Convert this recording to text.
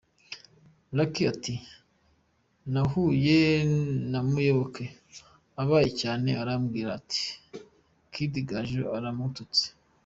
Lucky ati, “Nahuye na Muyoboke ababaye cyane arambwira ngo Kid Gaju aramututse.